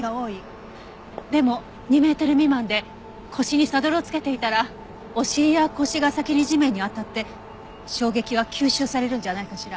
でも２メートル未満で腰にサドルをつけていたらお尻や腰が先に地面に当たって衝撃は吸収されるんじゃないかしら。